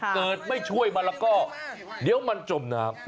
เกิดไม่ช่วยมันแล้วก็เดี๋ยวมันจมน้ำ